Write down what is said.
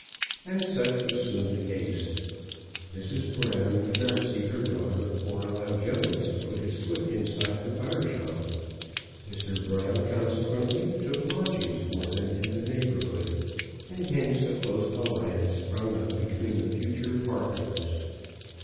And such was soon the case. Mrs. Brown would not see her daughter, or allow Jones to put his foot inside the butter shop. Mr. Brown consequently took lodgings for them in the neighbourhood, and hence a close alliance sprung up between the future partners.